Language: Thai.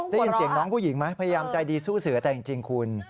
ได้ยินเสียงน้องผู้หญิงไหมพยายามใจดีสู้เสือแต่จริงคุณ